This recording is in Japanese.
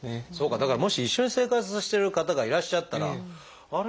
だからもし一緒に生活してる方がいらっしゃったらあれ？